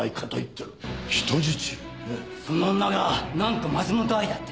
その女がなんと松本藍だって。